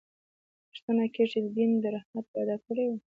پوښتنه کېږي چې دین د رحمت وعده کړې وه.